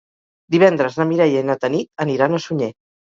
Divendres na Mireia i na Tanit aniran a Sunyer.